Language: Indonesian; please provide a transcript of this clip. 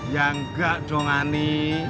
ya enggak dong ani